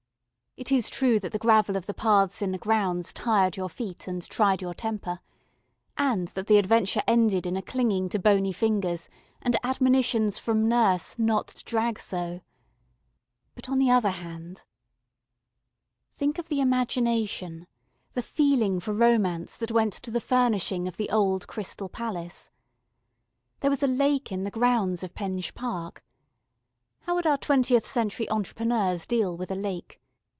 It is true that the gravel of the paths in the "grounds" tired your feet and tried your temper, and that the adventure ended in a clinging to bony fingers and admonitions from nurse "not to drag so." But on the other hand. ... Think of the imagination, the feeling for romance that went to the furnishing of the old Crystal Palace. There was a lake in the grounds of Penge Park. How would our twentieth century entrepreneurs deal with a lake?